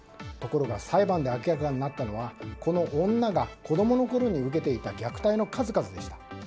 ところが裁判で明らかになったのはこの女が子供のころに受けていた虐待の数々でした。